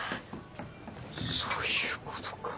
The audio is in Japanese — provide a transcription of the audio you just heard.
そういうことか。